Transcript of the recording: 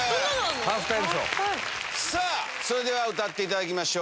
さあ、それでは歌っていただきましょう。